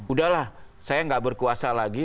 udahlah saya gak berkuasa lagi